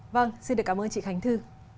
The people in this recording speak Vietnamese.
vâng xin được cảm ơn chị khánh thư